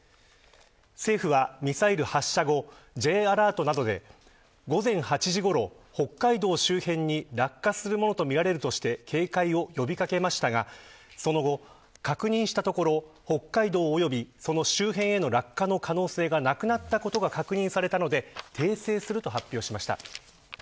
政府はミサイル発射後Ｊアラートなどで午前８時ごろ、北海道周辺に落下するものと見られずして警戒を呼び掛けましたがその後、確認したところ北海道およびその周辺の落下の可能性がなくなったことが確認されたので訂正すると発表しました。